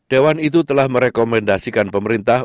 dewan itu telah merekomendasikan pemerintah